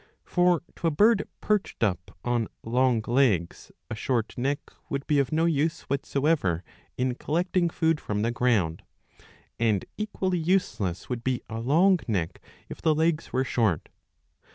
For to a bird perched up on long legs a short neck would be of no use whatsoever in collecting food from the ground ; and equally useless would be a long neck, if the legs were short.